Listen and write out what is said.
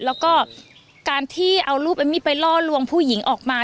แล้วก็การที่เอารูปเอมมี่ไปล่อลวงผู้หญิงออกมา